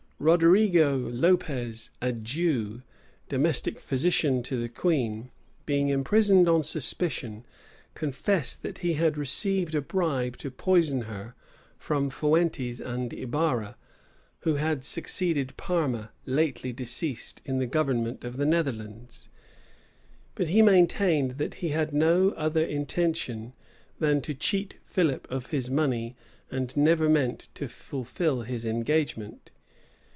Roderigo Lopez, a Jew, domestic physician to the queen, being imprisoned on suspicion, confessed that he had received a bribe to poison her from Fuentes and Ibarra, who had succeeded Parma, lately deceased, in the government of the Netherlands; but he maintained, that he had no other intention than to cheat Philip of his money, and never meant to fulfil his engagement.